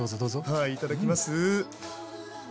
はいいただきます。